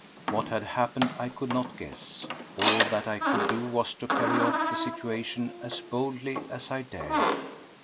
What had happened I could not guess; all that I could do was to carry off the situation as boldly as I dared.